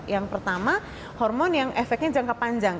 yang pertama hormon yang efeknya jangka panjang